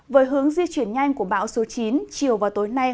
với hướng di chuyển nhanh của bão số chín chiều và tối nay